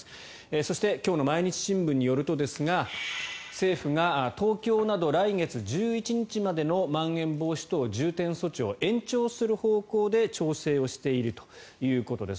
そして今日の毎日新聞によるとですが政府が、東京など来月１１日までのまん延防止等重点措置を延長する方向で調整をしているということです。